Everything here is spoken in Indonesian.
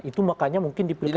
itu makanya mungkin di pilkara dki